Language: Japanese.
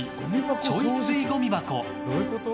ちょい吸いゴミ箱。